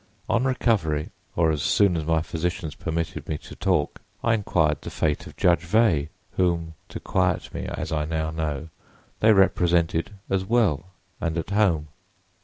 On recovery, or as soon as my physicians permitted me to talk, I inquired the fate of Judge Veigh, whom (to quiet me, as I now know) they represented as well and at home.